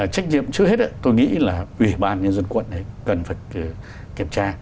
trách nhiệm trước hết tôi nghĩ là ủy ban nhân dân quận cần phải kiểm tra